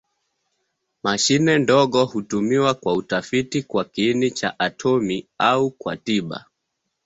Mashine ndogo hutumiwa kwa utafiti kwa kiini cha atomi au kwa tiba.